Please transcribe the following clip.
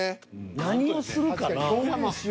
何をするかな。